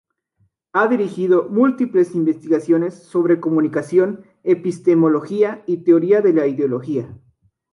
Ha dirigido múltiples investigaciones sobre comunicación, epistemología y teoría de la ideología.